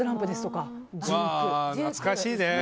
懐かしいね。